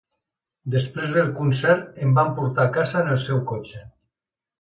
Després del concert em va portar a casa en el seu cotxe.